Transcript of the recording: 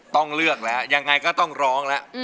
ต้องเลือกแล้วยังไงก็ต้องร้องแล้ว